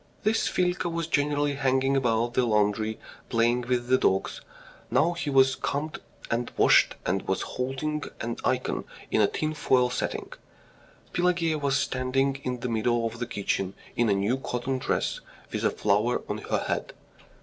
... This Filka was generally hanging about the laundry playing with the dogs; now he was combed and washed, and was holding an ikon in a tinfoil setting. Pelageya was standing in the middle of the kitchen in a new cotton dress, with a flower on her head.